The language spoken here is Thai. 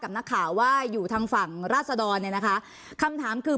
นักข่าวว่าอยู่ทางฝั่งราศดรเนี่ยนะคะคำถามคือ